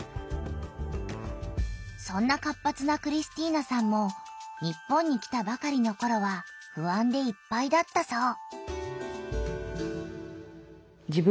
そんな活発なクリスティーナさんも日本に来たばかりのころはふあんでいっぱいだったそう。